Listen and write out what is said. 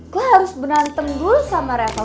gue harus benanteng dulu sama reva